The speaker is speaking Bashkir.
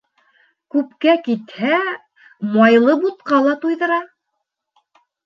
Күпкә китһә, майлы бутҡа ла туйҙыра.